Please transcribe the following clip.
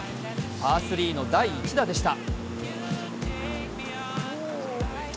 パー３の第１打でした。